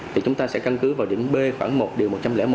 thì chúng ta sẽ căn cứ vào điểm b khoảng một điều một trăm linh một